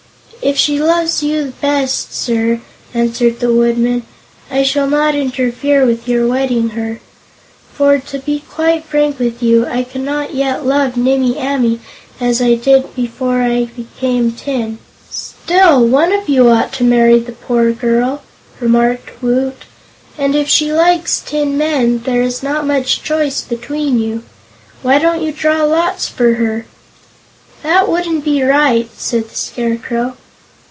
"If she loves you best, sir," answered the Woodman, "I shall not interfere with your wedding her. For, to be quite frank with you, I cannot yet love Nimmie Amee as I did before I became tin." "Still, one of you ought to marry the poor girl," remarked Woot; "and, if she likes tin men, there is not much choice between you. Why don't you draw lots for her?" "That wouldn't be right," said the Scarecrow.